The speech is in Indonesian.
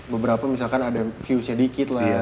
beberapa misalkan ada views nya dikit lah